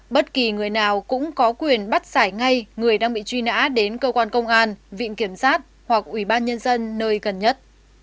bất kỳ người nào cũng có quyền bắt giải ngay người đang bị truy nã đến cơ quan công an viện kiểm sát hoặc ủy ban nhân dân nơi gần nhất